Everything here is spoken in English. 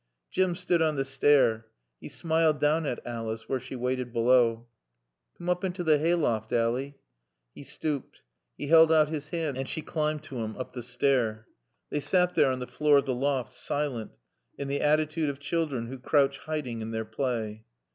Jim stood on the stair. He smiled down at Alice where she waited below. "Coom oop into t' haay loft, Ally." He stooped. He held out his hand and she climbed to him up the stair. They sat there on the floor of the loft, silent, in the attitude of children who crouch hiding in their play.